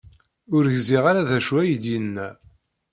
Ur gziɣ ara d acu ay d-yenna.